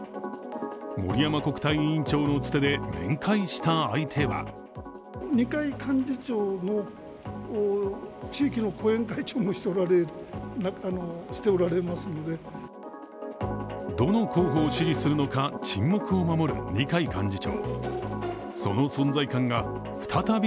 森山国対委員長のつてで面会した相手はどの候補を支持するのか、沈黙を守る二階幹事長。